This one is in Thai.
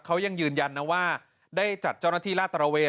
เขายังยืนยันนะว่าได้จัดเจ้าหน้าที่ลาดตระเวน